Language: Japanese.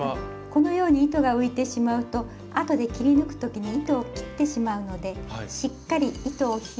このように糸が浮いてしまうと後で切り抜く時に糸を切ってしまうのでしっかり糸を引いておきましょう。